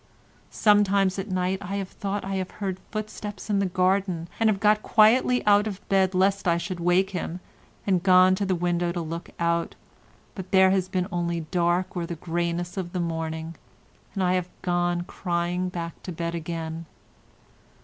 Sometimes at night I have thought I have heard footsteps in the garden, and have got quietly out of bed lest I should wake him, and gone to the window to look out, but there has been only dark or the greyness of the morning, and I have gone crying back to bed again.